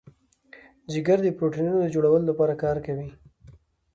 جگر د پروټینونو د جوړولو لپاره کار کوي.